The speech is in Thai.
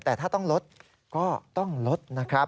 แต่ถ้าต้องลดก็ต้องลดนะครับ